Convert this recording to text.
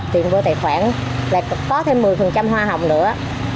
tiền mua tài khoản là có thêm một mươi hoa hồng nữa